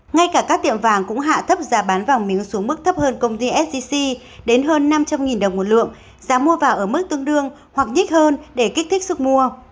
ngay cả các tiệm vàng cũng hạ thấp giá bán vàng miếu xuống mức thấp hơn công ty sgc đến hơn năm trăm linh đồng một lượng giá mua vào ở mức tương đương hoặc nhích hơn để kích thích sức mua